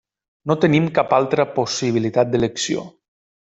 No tenim cap altra possibilitat d'elecció.